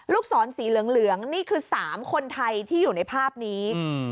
ศรสีเหลืองนี่คือ๓คนไทยที่อยู่ในภาพนี้